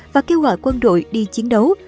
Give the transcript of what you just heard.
và kêu gọi quân đội đi chiến đấu